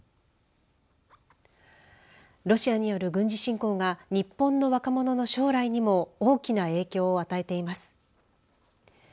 ロシアによる軍事侵攻が日本の若者の将来にも大きな影響を与えています。